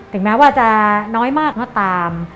แม้ว่าจะน้อยมากก็ตาม